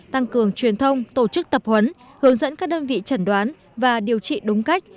tăng cường truyền thông tổ chức tập huấn hướng dẫn các đơn vị chẩn đoán và điều trị đúng cách